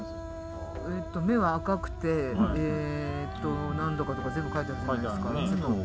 目は赤くて何とかとか全部書いてあるじゃないですか。